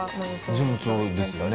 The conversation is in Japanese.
順調ですよね。